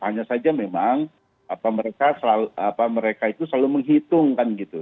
hanya saja memang mereka itu selalu menghitungkan gitu